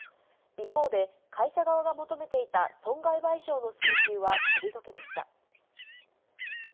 一方で、会社側が求めていた損害賠償の請求は退けました。